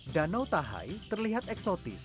danau tahai terlihat eksotis